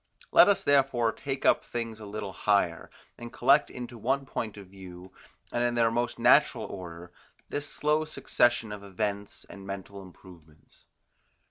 Let us therefore take up things a little higher, and collect into one point of view, and in their most natural order, this slow succession of events and mental improvements.